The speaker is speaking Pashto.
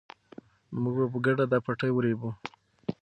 موږ به په ګډه دا پټی ورېبو.